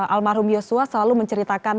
almarhum yosua selalu menceritakan